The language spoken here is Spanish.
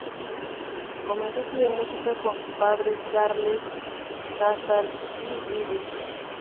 Comenzó a estudiar música con su padre, Carles Casals i Ribes.